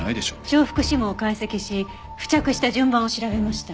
重複指紋を解析し付着した順番を調べました。